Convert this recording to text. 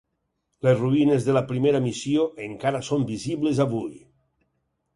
Les ruïnes de la primera missió encara són visibles avui.